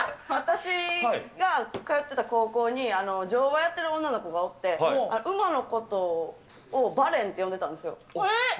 私が通ってた高校に、乗馬やってる女の子がおって、馬のことをバレンって呼んでたんですよ。